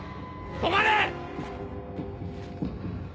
止まれ！